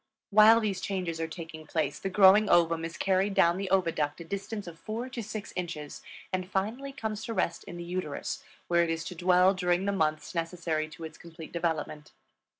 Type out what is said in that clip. While these changes are taking place the growing ovum is carried down the oviduct a distance of four to six inches and finally comes to rest in the uterus, where it is to dwell during the months necessary to its complete development.